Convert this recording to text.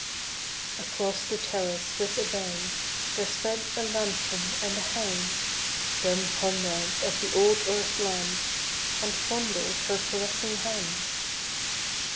Across the terrace with a bound There sped a lambkin and a hound (Dumb comrades of the old earth land) And fondled her caressing hand.